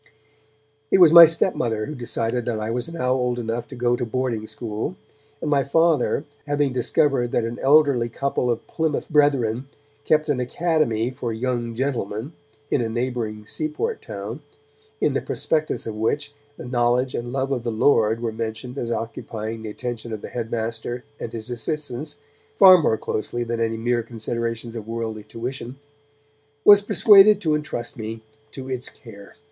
It was my stepmother who decided that I was now old enough to go to boarding school, and my Father, having discovered that an elderly couple of Plymouth Brethren kept an 'academy for young gentlemen' in a neighbouring seaport town, in the prospectus of which the knowledge and love of the Lord were mentioned as occupying the attention of the head master and his assistants far more closely than any mere considerations of worldly tuition, was persuaded to entrust me to its care.